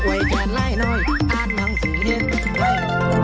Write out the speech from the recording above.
ไว้แทนไลน์น้อยอาหารของทุยเฮียด